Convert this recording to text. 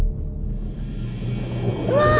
うわ！